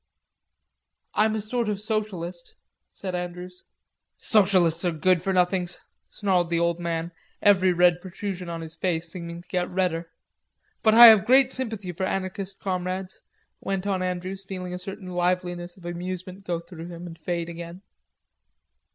"I'm a sort of a socialist," said Andrews. "Socialists are good for nothings," snarled the old man, every red protrusion on his face seeming to get redder. "But I have great sympathy for anarchist comrades," went on Andrews, feeling a certain liveliness of amusement go through him and fade again.